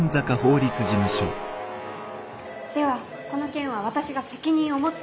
ではこの件は私が責任を持って。